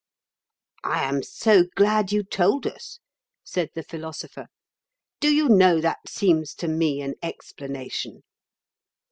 "I am so glad you told us," said the Philosopher. "Do you know that seems to me an explanation?"